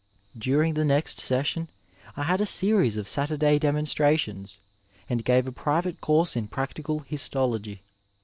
Dur ing the next session I had a series of Saturday demonstra tions, and gave a private course in practical histology.